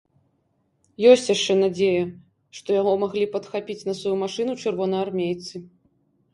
Ёсць яшчэ надзея, што яго маглі падхапіць на сваю машыну чырвонаармейцы.